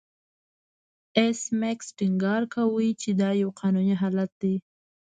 ایس میکس ټینګار کاوه چې دا یو قانوني حالت دی